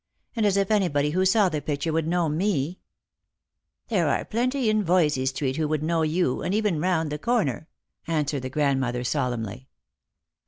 And as if anybody who saw the picture would know me !"" There are plenty in Voysey street who would know you, and even round the corner," answered the grandmother solemnly.